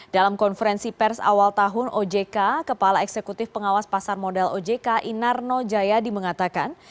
dalam konferensi pers awal tahun ojk kepala eksekutif pengawas pasar modal ojk inarno jayadi mengatakan